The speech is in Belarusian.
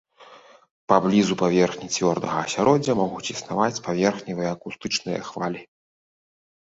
Паблізу паверхні цвёрдага асяроддзя могуць існаваць паверхневыя акустычныя хвалі.